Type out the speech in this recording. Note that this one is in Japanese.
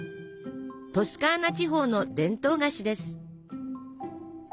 トスカーナ地方の伝統菓子です。